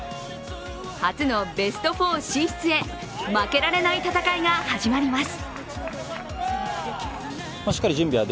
初のベスト４進出へ負けられない戦いが始まります。